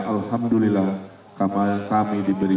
alhamdulillah kami diberi